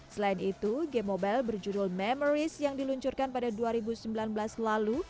selain itu game mobile berjudul memories yang diluncurkan pada dua ribu sembilan belas lalu